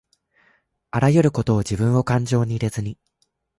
あらゆることをじぶんをかんじょうに入れずに